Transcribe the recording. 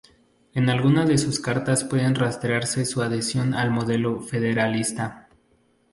En algunas de sus cartas puede rastrearse su adhesión al modelo federalista.